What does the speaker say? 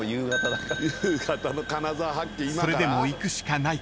［それでも行くしかないか？］